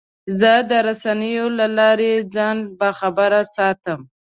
زه د رسنیو له لارې ځان باخبره ساتم.